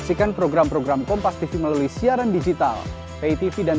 yang tiga orang ini bu ya